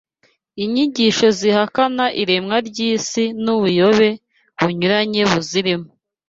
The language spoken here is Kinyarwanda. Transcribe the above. Inyigisho zihakana iremwa ry’isi n’ubuyobe bunyuranye buzirimo